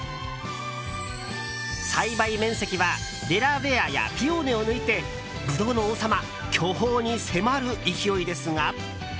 栽培面積はデラウェアやピオーネを抜いてブドウの王様・巨峰に迫る勢いですが。